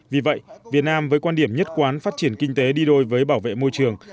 vì vậy việt nam với quan điểm nhất quán phát triển kinh tế đi đôi với bảo vệ môi trường